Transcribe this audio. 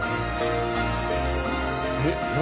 えっ何？